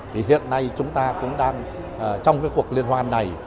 thì hiện nay chúng ta cũng đang trong cái cuộc liên hoan này